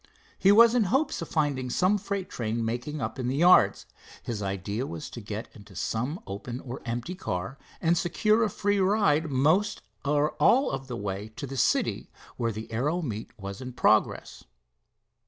He was in hopes of finding some freight train making up in the yards. His idea was to get into some open or empty car, and secure a free ride most or all of the way to the city where the aero meet was in progress.